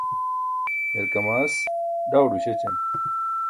yarkamaas ḍawḍo śećan